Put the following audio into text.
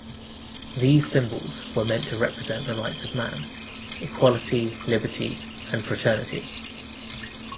These symbols were meant to represent the rights of man: Equality, Liberty and Fraternity.